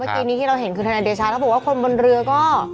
เมื่อกี้นี้ที่เราเห็นคือทนายเดชาเขาบอกว่าคนบนเรือก็